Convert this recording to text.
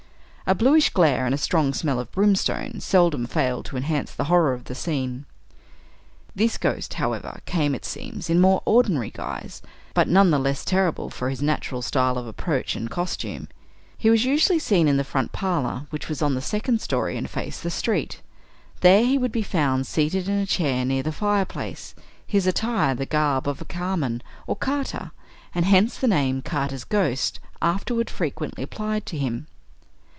A bluish glare and a strong smell of brimstone seldom failed to enhance the horror of the scene. This ghost, however, came it seems, in more ordinary guise, but none the less terrible for his natural style of approach and costume. He was usually seen in the front parlor, which was on the second story and faced the street. There he would be found seated in a chair near the fire place, his attire the garb of a carman or "carter" and hence the name "Carter's Ghost" afterward frequently applied to him.